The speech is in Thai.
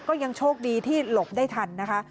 ยังโชคดีที่หลบได้ทันนะคะ